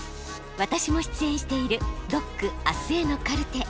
私も出演している「ＤＯＣあすへのカルテ」。